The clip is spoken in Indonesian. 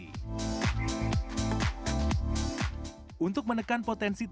untuk menekan potensi terkena keratosis pilaris tersebut